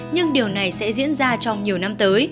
nhưng điều này sẽ diễn ra trong nhiều năm tới